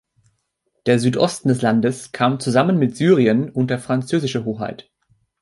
Der Südosten des Landes kam zusammen mit Syrien unter französische Hoheit.